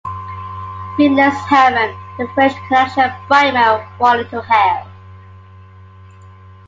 "Free" lends "Harem" the French connection Brightman wanted it to have.